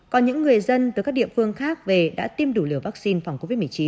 còn những người dân từ các địa phương khác về đã tiêm đủ liều vaccine phòng covid một mươi chín